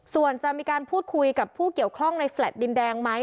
ส่วนจะมีการพูดคุยกับผู้เกี่ยวข้องในแฟลต์ดินแดงไหม